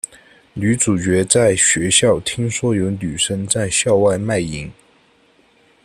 女主角在学校听说有女生在校外卖淫。